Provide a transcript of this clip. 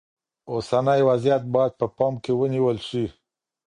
اوسنی وضعیت باید په پام کې ونیول شي.